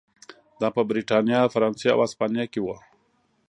دا په برېټانیا، فرانسې او هسپانیا کې و.